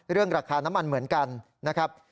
ราคาน้ำมันเหมือนกันนะครับ